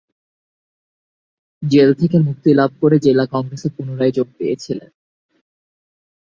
Jail থেকে মুক্তিলাভ করে জেলা কংগ্রেসে পূনরায় যোগ দিয়েছিলেন।